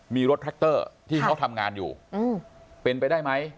มีรถแท็กเตอร์ที่เขาทำงานอยู่เป็นไปได้ไหม